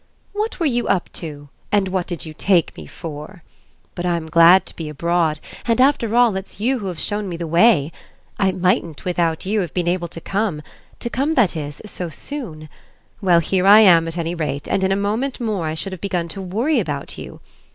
"What were you up to and what did you take me for? But I'm glad to be abroad, and after all it's you who have shown me the way. I mightn't, without you, have been able to come to come, that is, so soon. Well, here I am at any rate and in a moment more I should have begun to worry about you.